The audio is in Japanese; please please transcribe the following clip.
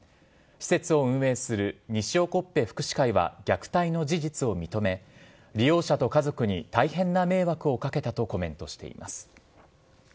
施設を運営するにしおこっぺ福祉会は、虐待の事実を認め、利用者と家族に大変な迷惑をかけたとコメントしています。